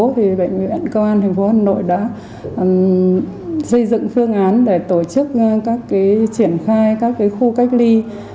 thì bệnh viện công an thành phố hà nội đã xây dựng phương án để tổ chức các cái triển khai các cái khu cách ly